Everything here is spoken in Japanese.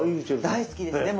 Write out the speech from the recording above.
大好きですね。